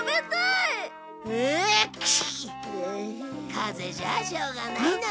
風邪じゃあしょうがないな。